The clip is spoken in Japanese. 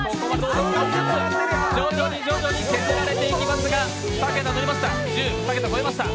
徐々に徐々に削られていきますが２桁超えました。